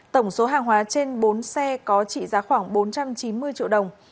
tổng số hàng hóa trên bốn xe có trị giá khoảng bốn trăm chín mươi triệu đồng